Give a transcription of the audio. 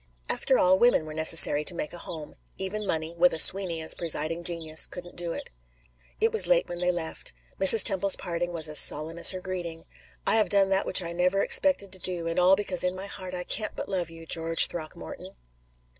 After all, women were necessary to make a home; even money, with a Sweeney as presiding genius, couldn't do it. It was late when they left. Mrs. Temple's parting was as solemn as her greeting: "I have done that which I never expected to do, and all because in my heart I can't but love you, George Throckmorton!"